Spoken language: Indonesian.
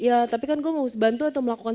ya tapi kan gue mau bantu untuk melakukan